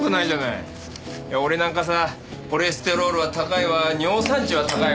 いや俺なんかさコレステロールは高いわ尿酸値は高いわ。